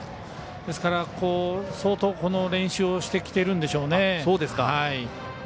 ですから相当、この練習をしてきてるんでしょうね。